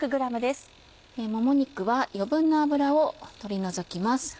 もも肉は余分な脂を取り除きます。